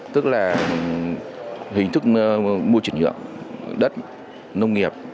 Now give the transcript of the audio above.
tức là hình thức môi trình nhuận đất nông nghiệp